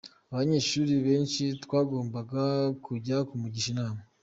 Abanyeshuri benshi twagombaga kujya kumugisha inama.